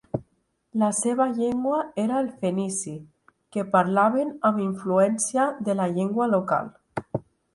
La seva llengua era el fenici, que parlaven amb influència de la llengua local.